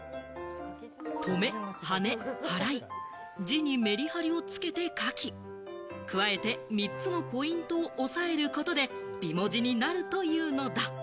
とめ、はね、はらい、字にメリハリをつけて書き、加えて３つのポイントをおさえることで、美文字になるというのだ。